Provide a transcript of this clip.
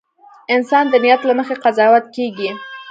• انسان د نیت له مخې قضاوت کېږي.